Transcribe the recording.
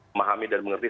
memahami dan mengerti